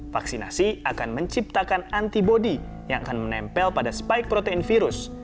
vaksinasi akan menciptakan antibody yang akan menempel pada spike protein virus